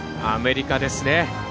アメリカですね。